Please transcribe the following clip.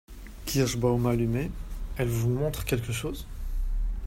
Kirschbaum, allumé. — Elle vous montre quelqu’ chose ?